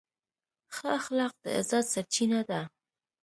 ښه اخلاق د عزت سرچینه ده.